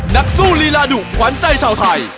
นักสู้ลีลาดุขวัญใจชาวไทย